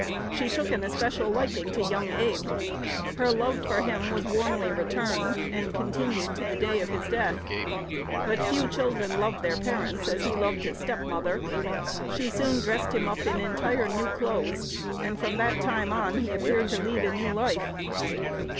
She took an especial liking to young Abe. Her love for him was warmly returned, and continued to the day of his death. But few children loved their parents as he loved his step mother. She soon dressed him up in entire new clothes, and from that time on he appeared to lead a new life.